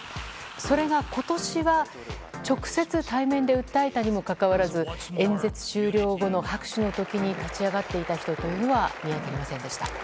それが今年は直接対面で訴えたにもかかわらず演説終了後の拍手の時に立ち上がっていた人は見当たりませんでした。